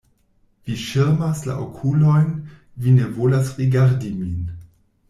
Vi ŝirmas la okulojn, vi ne volas rigardi min!